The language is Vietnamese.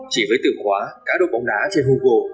chỉ với từ khóa cá độ bóng đá trên google